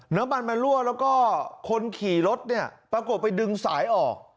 น้ำมันมารั่วแล้วก็คนขี่รถเนี่ยปรากฏไปดึงสายออก